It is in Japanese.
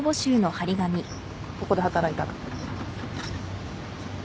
ここで働いたら。